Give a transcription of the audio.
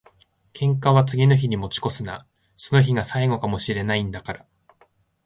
喧嘩は次の日に持ち越すな。その日が最後かも知れないんだから。